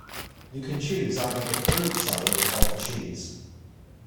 You can choose either the fruit salad or the cheese